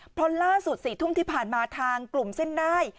เพราะล่าสุด๔ทุ่มที่ผ่านมาทางกลุ่มเส้นได้